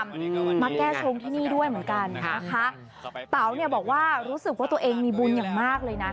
มาแก้ชงที่นี่ด้วยเหมือนกันนะคะเต๋าเนี่ยบอกว่ารู้สึกว่าตัวเองมีบุญอย่างมากเลยนะ